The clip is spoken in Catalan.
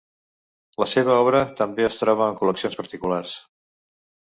La seva obra també es troba en col·leccions particulars.